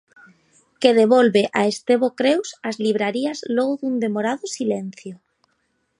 Que devolve a Estevo Creus ás librarías logo dun demorado silencio.